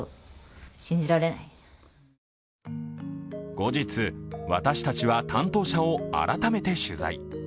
後日、私たちは担当者を改めて取材。